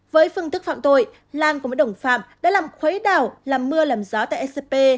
với phương thức phạm tội lan cùng với đồng phạm đã làm khuấy đảo làm mưa làm gió tại scp